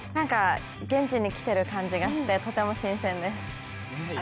現地に来ている感じがしてとても新鮮です。